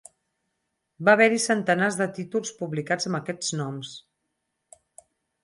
Va haver-hi centenars de títols publicats amb aquests noms.